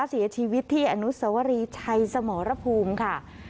เสียชีวิตที่อนุสวรีชัยสมรภูมิค่ะ